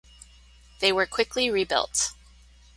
They were quickly rebuilt.